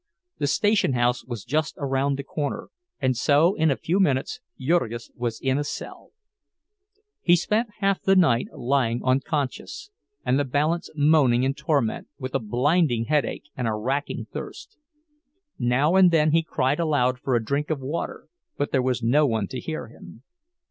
The station house was just around the corner, and so in a few minutes Jurgis was in a cell. He spent half the night lying unconscious, and the balance moaning in torment, with a blinding headache and a racking thirst. Now and then he cried aloud for a drink of water, but there was no one to hear him.